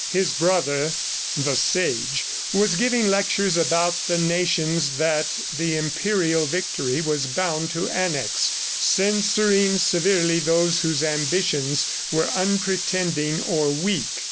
His brother, "the Sage," was giving lectures about the nations that the imperial victory was bound to annex, censuring severely those whose ambitions were unpretending or weak.